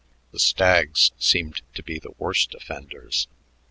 The stags seemed to be the worst offenders.